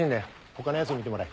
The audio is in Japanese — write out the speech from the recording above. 他のやつに見てもらえ。